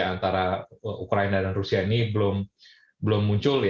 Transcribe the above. antara ukraina dan rusia ini belum muncul